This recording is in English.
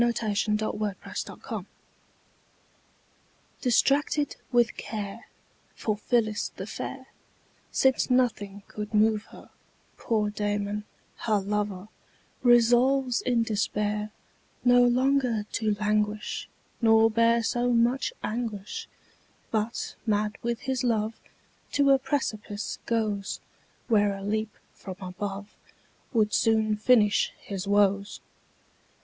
William Walsh The Despairing Lover DISTRACTED with care, For Phillis the fair, Since nothing could move her, Poor Damon, her lover, Resolves in despair No longer to languish, Nor bear so much anguish; But, mad with his love, To a precipice goes; Where a leap from above Would soon finish his woes.